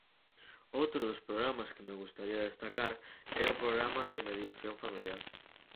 Outro dos programas que me gustaría destacar é o Programa de mediación familiar.